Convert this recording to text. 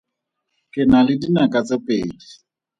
Ke na le dinaka tse pedi.